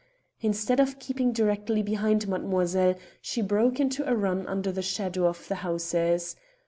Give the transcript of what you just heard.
Instead of keeping directly behind mademoiselle she broke into a run under the shadow of the houses.